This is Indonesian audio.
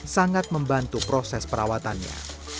sangat membantu proses perawatannya